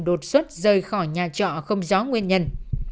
đột xuất rời khỏi nhà trọ không rõ nguyên nhân